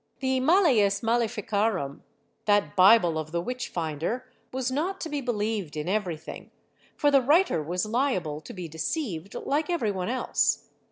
The Malleus Maleficarum — that Bible of the witch finder — was not to be be lieved in everything, for the writer was liable to be deceived like every one else.